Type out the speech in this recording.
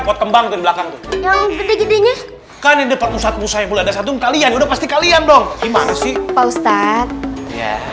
pot kembang dari belakang yang gede gedenya kan udah pasti kalian dong gimana sih pak ustadz